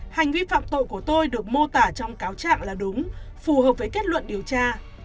hành vi phạm tội của tôi được mô tả trong cáo trạng là đúng phù hợp với kết luận điều tra